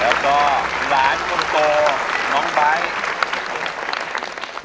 แล้วก็หลานคนโตน้องไบท์